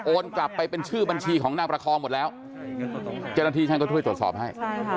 กลับไปเป็นชื่อบัญชีของนางประคองหมดแล้วเจ้าหน้าที่ท่านก็ช่วยตรวจสอบให้